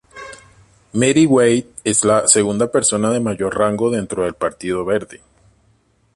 Mary White es la segunda persona de mayor rango dentro del Partido Verde.